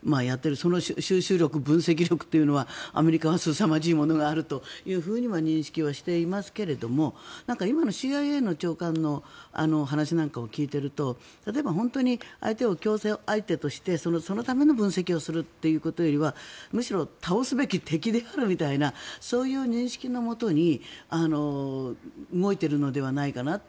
その収集力、分析力というのはアメリカはすさまじいものがあると認識していますけども今のＣＩＡの長官の話なんかを聞いていると例えば、本当に相手を競争相手としてそのための分析をするということよりはむしろ倒すべき敵であるみたいなそういう認識のもとに動いているのではないかなと。